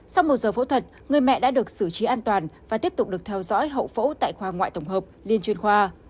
sau một giờ phẫu thuật người mẹ đã được xử trí an toàn và tiếp tục được theo dõi hậu phẫu tại khoa ngoại tổng hợp liên chuyên khoa